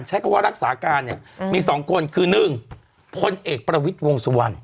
ใช้คำว่ารักษาการเนี่ยมี๒คนคือ๑พลเอกประวิทย์วงสุวรรณ